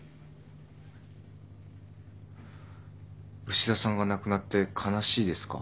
牛田さんが亡くなって悲しいですか？